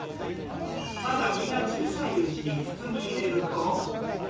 まだ実が小さいうちに筒に入れると。